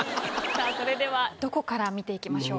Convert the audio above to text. さあそれではどこから見ていきましょう？